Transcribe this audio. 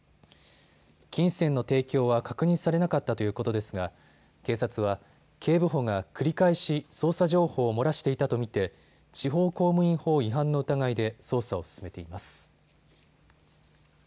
金銭の提供は確認されなかったということですが警察は、警部補が繰り返し捜査情報を漏らしていたと見て地方公務員法違反の疑いで捜査を進めています。